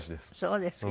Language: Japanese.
そうですか。